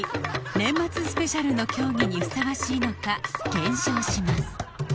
年末スペシャルの競技にふさわしいのか検証します